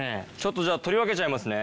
じゃあ取り分けちゃいますね。